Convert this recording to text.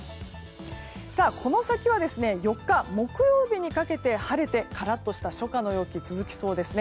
この先は４日木曜日にかけて晴れてカラッとした初夏の陽気が続きそうです。